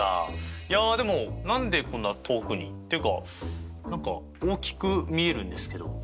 いやでも何でこんな遠くに？っていうか何か大きく見えるんですけど。